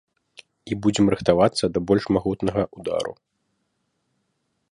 І будзем рыхтавацца да больш магутнага ўдару.